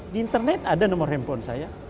di internet ada nomor handphone saya